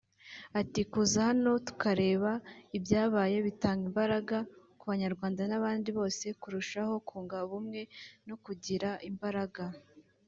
Ati “Kuza hano tukareba ibyabaye bitanga imbaraga ku Banyarwanda n’abandi bose kurushaho kunga ubumwe no kugira imbaraga